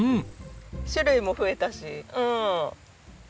種類も増えたしうん。